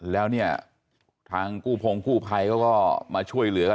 แล้วทางกู้พงคู่ภัยก็มาช่วยเหลือกัน